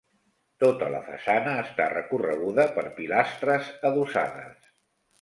Tota la façana està recorreguda per pilastres adossades.